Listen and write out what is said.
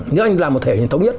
nếu anh làm một thể thống nhất